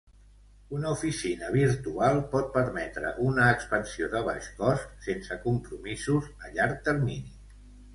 Una oficina virtual pot permetre una expansió de baix cost sense compromisos a llarg termini.